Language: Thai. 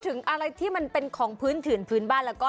ถึงอะไรที่มันเป็นของพื้นถิ่นพื้นบ้านแล้วก็